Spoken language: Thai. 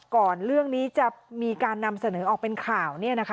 ก่อนเรื่องนี้จะมีการนำเสนอออกเป็นข่าว